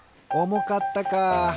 おもかったか。